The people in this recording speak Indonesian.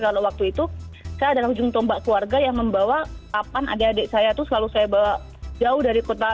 kalau waktu itu saya adalah ujung tombak keluarga yang membawa kapan adik adik saya itu selalu saya bawa jauh dari kota